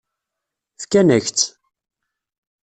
Fkan-ak-tt.